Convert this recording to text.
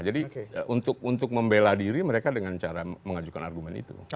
jadi untuk membela diri mereka dengan cara mengajukan argumen itu